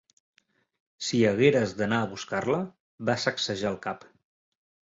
"Si hagueres d'anar a buscar-la" va sacsejar el cap.